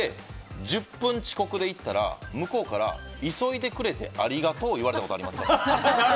１０分遅刻で行ったら向こうから急いでくれてありがとうって言われたことがありますからね。